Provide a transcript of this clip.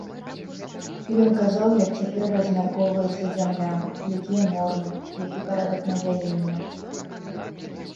Ён казаў, як цяпер размяркоўваецца зямля, якія нормы, які парадак надзялення.